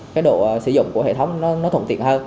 cái độ sử dụng của hệ thống nó thuận tiện hơn